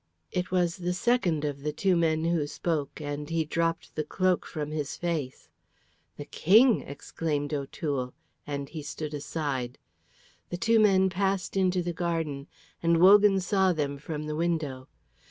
It was the second of the two men who spoke, and he dropped the cloak from his face. "The King!" exclaimed O'Toole, and he stood aside. The two men passed into the garden, and Wogan saw them from the window.